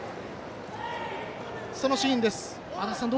そのシーンです。